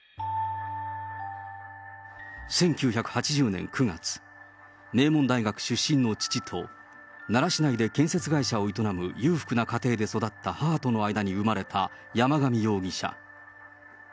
１９８０年９月、名門大学出身の父と、奈良市内で建設会社を営む裕福な家庭で育った母との間に生まれた山上容疑者。